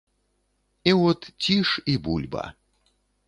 І от ціш і бульба.